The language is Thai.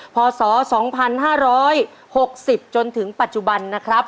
ปศ๒๕๖๐จนถึงปัจจุบัน